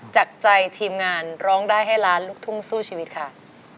จากใจทีมงานร้องได้ให้ล้านลูกทุ่งสู้ชีวิตค่ะ